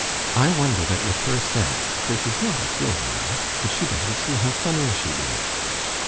"I wonder that with her sense—for she's not a fool, you know—that she doesn't see how funny she is."